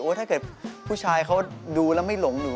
ถ้าเกิดผู้ชายเขาดูแล้วไม่หลงหนู